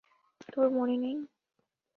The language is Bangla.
তোর মনে নেই?